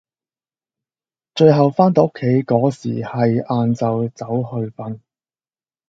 最後返到屋企個時係晏晝走去瞓